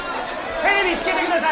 テレビつけてください！